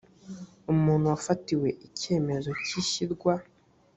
umuntu wafatiwe icyemezo cy ishyirwa